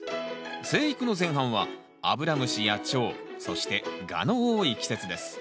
生育の前半はアブラムシやチョウそしてガの多い季節です。